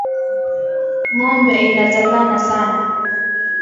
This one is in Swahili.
Ngombe ina zalana Saną